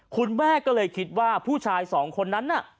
คุณแม่ก็เลยคิดว่าผู้ชายสองคนนั้นน่ะ